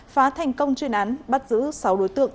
phá thành công chuyên án bắt giữ sáu đối tượng